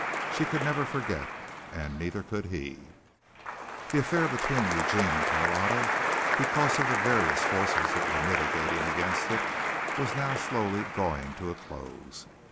She could never forget, and neither could he. The affair between Eugene and Carlotta, because of the various forces that were militating against it, was now slowly drawing to a close.